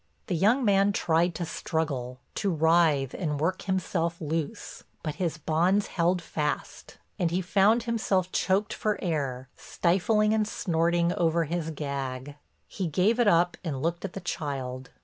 The young man tried to struggle, to writhe and work himself loose, but his bonds held fast, and he found himself choked for air, stifling and snorting over his gag. He gave it up and looked at the child.